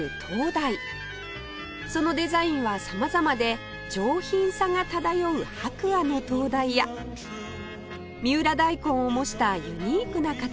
そのデザインは様々で上品さが漂う白亜の灯台や三浦大根を模したユニークな形も